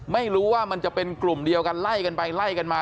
ไม่รู้ว่ามันจะเป็นกลุ่มเดียวกันไล่กันไปไล่กันมา